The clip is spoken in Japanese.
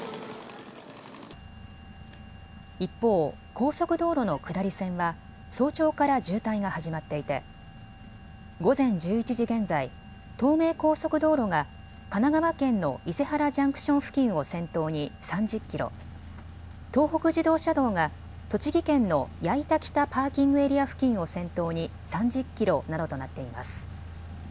一方、高速道路の下り線は早朝から渋滞が始まっていて午前１１時現在、東名高速道路が神奈川県の伊勢原ジャンクション付近を先頭に３０キロ、東北自動車道が栃木県の矢板北パーキングエリア付近を先頭に３０キロなどとなっています。